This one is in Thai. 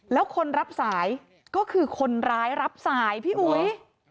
แล้วคนรับสายก็คือคนร้ายรับสายพี่อุ๋ย